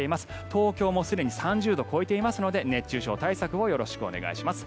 東京もすでに３０度を超えていますので熱中症対策をよろしくお願いします。